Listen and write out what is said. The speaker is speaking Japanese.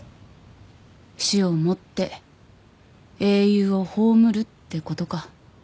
死をもって英雄を葬るってことか。